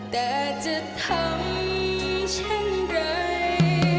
แต่จะทำเช่นใด